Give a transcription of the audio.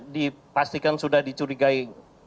dipastikan sudah di curigai